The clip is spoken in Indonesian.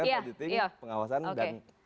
budgeting pengawasan dan